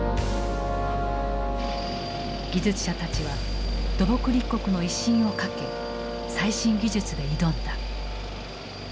技術者たちは土木立国の威信をかけ最新技術で挑んだ。